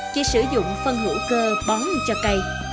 chỉ sử dụng phân hữu cơ bóng cho cây